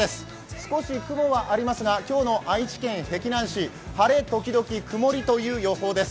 少し雲はありますが今日の愛知県碧南市晴れ時々曇りという予報です。